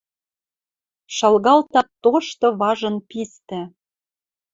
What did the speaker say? Шалгалта тошты важын пистӹ.